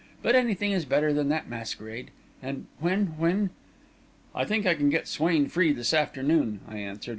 "But anything is better than that masquerade! And when when...." "I think I can get Swain free this afternoon," I answered.